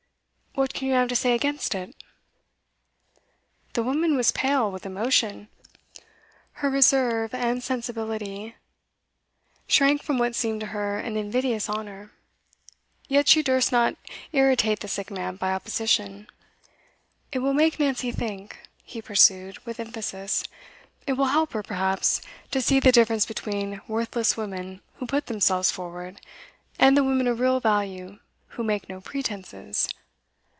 What can you have to say against it?' The woman was pale with emotion. Her reserve and sensibility shrank from what seemed to her an invidious honour, yet she durst not irritate the sick man by opposition. 'It will make Nancy think,' he pursued, with emphasis. 'It will help her, perhaps, to see the difference between worthless women who put themselves forward, and the women of real value who make no pretences.